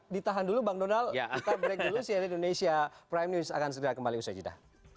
ditahan dulu bang donald kita break dulu cnn indonesia prime news akan segera kembali usai jeda